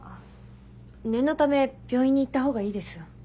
念のため病院に行った方がいいですよ。